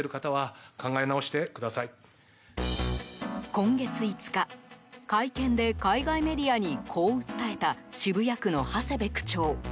今月５日、会見で海外メディアにこう訴えた渋谷区の長谷部区長。